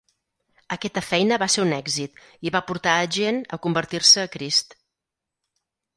Aquesta feina va ser un èxit i va portar a gent a convertir-se a Crist.